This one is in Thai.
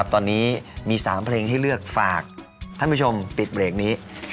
ตอนนี้มี๓เพลงเปิดเลือกที่จะฝากท่านผู้ชมปิดเดรกนี้